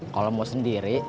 kalo mau sendiri